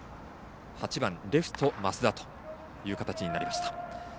８番レフト、増田という形になりました。